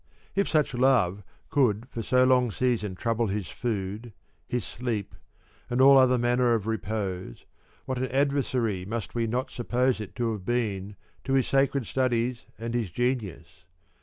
If such love could for so long season trouble his food, his sleep, and all other manner of repose, what an adversary must we not suppose it to have been to his sacred studies and his genius.